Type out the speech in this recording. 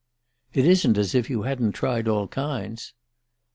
"_It isn't as if you hadn't tried all kinds.